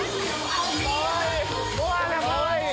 かわいい！